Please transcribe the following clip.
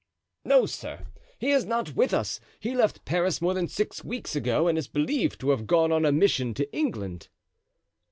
"No, sir, he is not with us; he left Paris more than six weeks ago and is believed to have gone on a mission to England."